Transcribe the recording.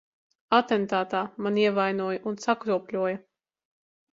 Atentātā mani ievainoja un sakropļoja.